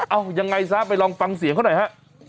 เอายังไงซะไปลองฟังเสียงเขาหน่อยฮะ